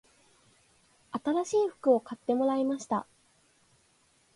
新しい服を買ってもらいました